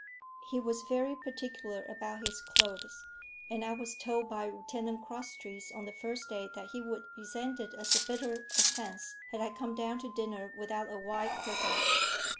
He was very particular about his clothes, and I was told by Lieutenant Crosstrees on the first day that he would resent it as a bitter offence had I come down to dinner without a white cravat.